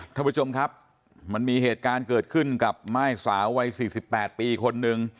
ท่านผู้ชมครับมันมีเหตุการณ์เกิดขึ้นกับม่ายสาววัย๔๘ปีคนนึง